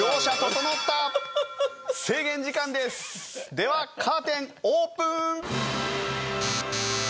ではカーテンオープン！